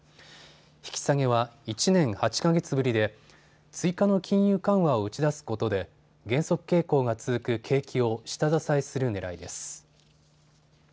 引き下げは１年８か月ぶりで追加の金融緩和を打ち出すことで減速傾向が続く景気を下支えするねらいです。